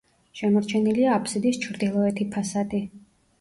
შემორჩენილია აბსიდის ჩრდილოეთი ფასადი.